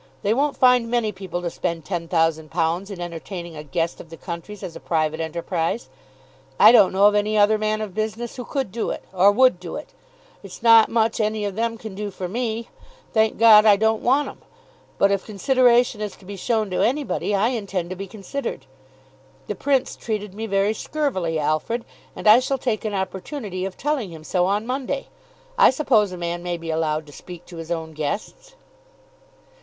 They won't find many people to spend ten thousand pounds in entertaining a guest of the country's as a private enterprise. I don't know of any other man of business who could do it, or would do it. It's not much any of them can do for me. Thank God, I don't want 'em. But if consideration is to be shown to anybody, I intend to be considered. The Prince treated me very scurvily, Alfred, and I shall take an opportunity of telling him so on Monday. I suppose a man may be allowed to speak to his own guests."